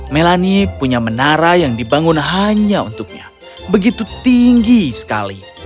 melani punya menara yang dibangun hanya untuknya begitu tinggi sekali